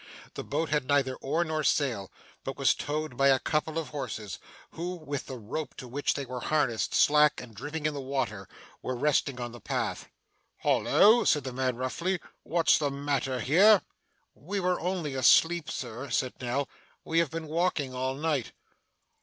The boat had neither oar nor sail, but was towed by a couple of horses, who, with the rope to which they were harnessed slack and dripping in the water, were resting on the path. 'Holloa!' said the man roughly. 'What's the matter here?' 'We were only asleep, Sir,' said Nell. 'We have been walking all night.